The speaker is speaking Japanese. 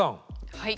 はい。